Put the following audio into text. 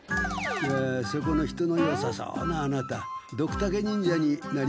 そこの人のよさそうなアナタドクタケ忍者になりませんか？